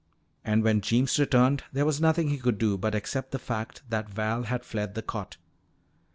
And when Jeems returned there was nothing he could do but accept the fact that Val had fled the cot.